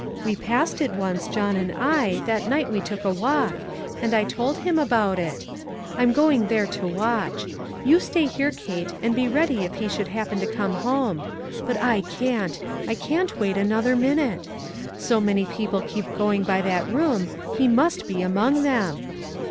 We passed it once, John and I, that night we took a walk, and I told him about it. I'm going there to watch. You stay here, Kate, and be ready if he should happen to come home; but I can't — I can't wait another minute. So many people keep going by that room ; he must be among them."